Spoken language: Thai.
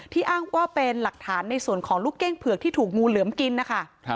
อ้างว่าเป็นหลักฐานในส่วนของลูกเก้งเผือกที่ถูกงูเหลือมกินนะคะ